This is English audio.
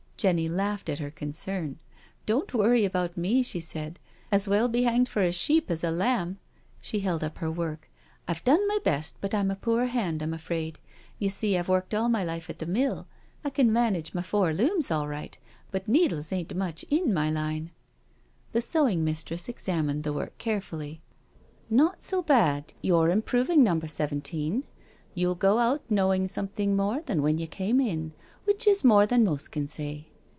Jenny laughed at her concern. "Don't worry about me," she said. "As well be hanged for a sheep as a Iambi" She held up her work. " I've done my best, but I'm a poor hand, I'm afraid. You see, I've worked all my life at the mill — I can manage my four looms all right, but needles ain't much in my line." The sewing mistress examined the work carefully. " Not so bad — you're improving, Number Seven teen. You'll go out knowing something more than when you came in, which is more than most can say."